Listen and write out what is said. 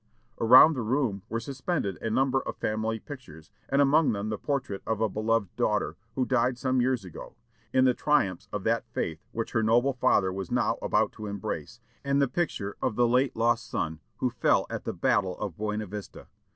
Around the room were suspended a number of family pictures, and among them the portrait of a beloved daughter, who died some years ago, in the triumphs of that faith which her noble father was now about to embrace; and the picture of the late lost son, who fell at the battle of Buena Vista.